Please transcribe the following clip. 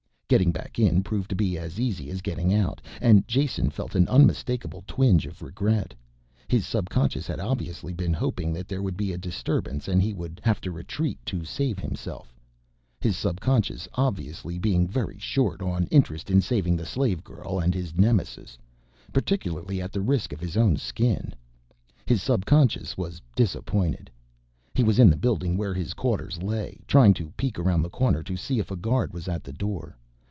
Getting back in proved to be as easy as getting out, and Jason felt an unmistakable twinge of regret. His subconscious had obviously been hoping that there would be a disturbance and he would have to retreat to save himself, his subconscious obviously being very short on interest in saving the slave girl and his nemesis, particularly at the risk of his own skin. His subconscious was disappointed. He was in the building where his quarters lay, trying to peek around the corner to see if a guard was at the door.